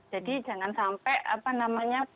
jadi jangan sampai apa namanya